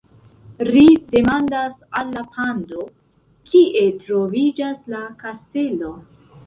Ri demandas al la pando: "Kie troviĝas la kastelo?"